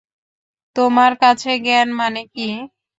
তোমার কাছে জ্ঞান মানে কী?